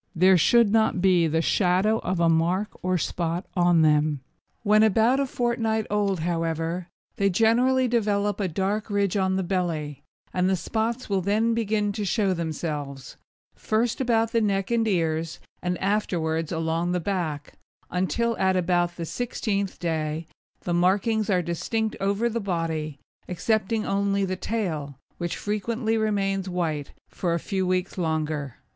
There should not be the shadow of a mark or spot on them. When about a fortnight old, however, they generally develop a dark ridge on the belly, and the spots will then begin to show themselves; first about the neck and ears, and afterwards along the back, until at about the sixteenth day the markings are distinct over the body, excepting only the tail, which frequently remains white for a few weeks longer.